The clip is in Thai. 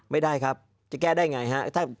ไม่ได้ครับจะแก้ได้ไงฮะ